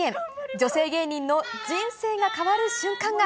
女性芸人の人生が変わる瞬間が。